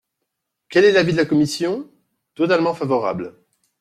Quel est l’avis de la commission ? Totalement favorable.